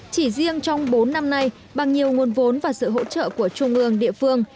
chỉ riêng trong bốn năm nay bằng nhiều nguồn vốn và sự hỗ trợ của trung ương địa phương